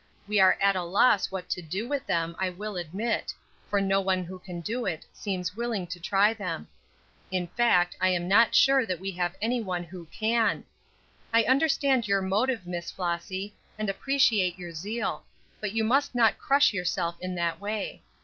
We are at a loss what to do with them, I will admit; for no one who can do it seems willing to try them. In fact, I am not sure that we have anyone who can. I understand your motive, Miss Flossy, and appreciate your zeal; but you must not crush yourself in that way.